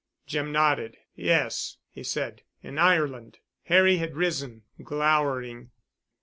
Jim nodded. "Yes," he said, "in Ireland." Harry had risen, glowering.